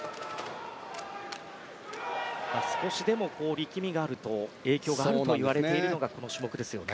少しでも力みがあると影響があるといわれているのがこの種目ですよね。